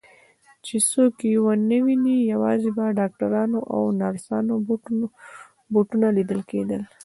چې څوک یې ونه ویني، یوازې به د ډاکټرانو او نرسانو بوټونه لیدل کېدل.